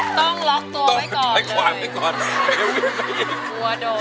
ต้องการไม่ก่อน